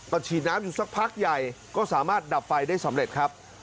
ก็ฉีดน้ำอยู่สักพักใหญ่ก็สามารถดับไฟได้สำเร็จครับ